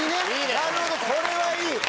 なるほどこれはいい！